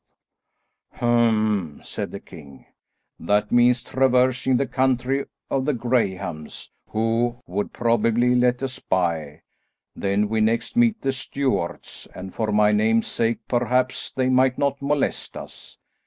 "Hum," said the king, "that means traversing the country of the Grahams, who would probably let us by; then we next meet the Stewarts, and for my name's sake perhaps they might not molest us.